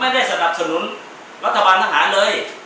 ไม่ได้สนับสนุนรัฐบาลทหารเลย